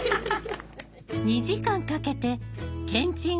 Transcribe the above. ２時間かけてけんちん